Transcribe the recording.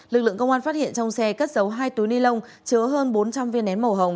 lực lượng công an phát hiện trong xe cất dấu hai túi ni lông chứa hơn bốn trăm linh viên nén màu hồng